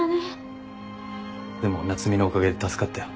でも夏海のおかげで助かったよ。